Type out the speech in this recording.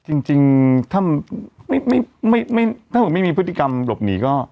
จริงถ้าผมไม่มีพฤติกรรมหลบหนีก็